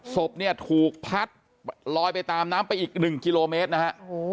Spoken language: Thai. ศพเนี่ยถูกพัดลอยไปตามน้ำไปอีก๑กิโลเมตรนะฮะ